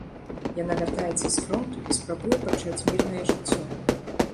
Яна вяртаецца з фронту і спрабуе пачаць мірнае жыццё.